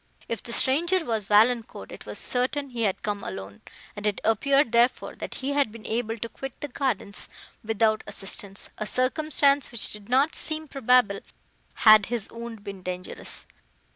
If the stranger was Valancourt, it was certain he had come alone, and it appeared, therefore, that he had been able to quit the gardens, without assistance; a circumstance which did not seem probable, had his wound been dangerous.